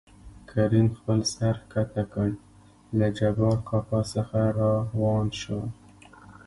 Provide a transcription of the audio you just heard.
کريم خپل سر ښکته کړ له جبار کاکا څخه راوان شو.